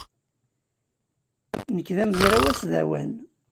Nekk d amezraw asdawan.